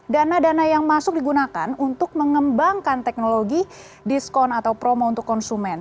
dana dana yang masuk digunakan untuk mengembangkan teknologi diskon atau promo untuk konsumen